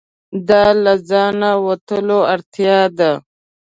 دا له ځانه وتلو اړتیا ده.